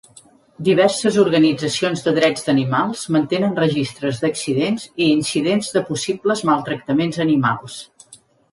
Diverses organitzacions de drets d'animals mantenen registres d'accidents i incidents de possibles maltractaments animals.